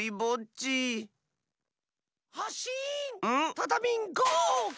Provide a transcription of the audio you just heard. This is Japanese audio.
タタミンゴー！